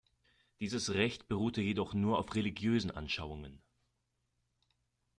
Dieses Recht beruhte jedoch nur auf religiösen Anschauungen.